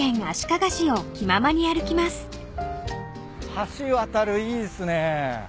橋渡るいいっすね。